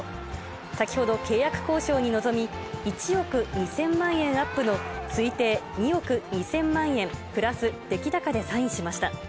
先ほど契約交渉に臨み、１億２０００万円アップの推定２億２０００万円プラス出来高でサインしました。